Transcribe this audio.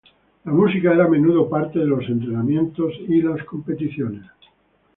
La música era a menudo parte de los entrenamientos y las competiciones.